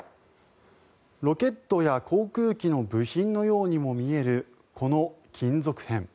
ロケットや航空機の部品のようにも見えるこの金属片。